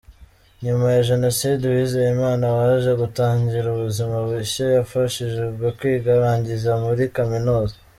Nyuma ya Jenoside, Uwizeyimana waje gutangira ubuzima bushya, yafashijwe kwiga arangiza muri kaminuza.